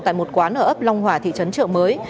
tại một quán ở ấp long hòa thị trấn trợ mới